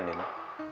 ini maksudnya apa ya